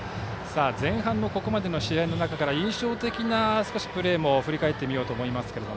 前半のここまでの試合の中で印象的なプレーも振り返ってみようと思います。